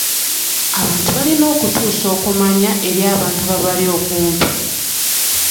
Abantu balina okutuusa okumanya eri abantu ababali okumpi.